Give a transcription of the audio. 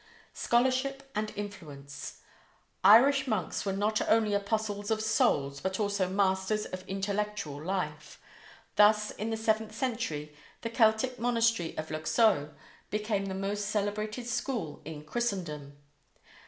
SCHOLARSHIP AND INFLUENCE: Irish monks were not only apostles of souls, but also masters of intellectual life. Thus in the seventh century the Celtic monastery of Luxeuil became the most celebrated school in Christendom.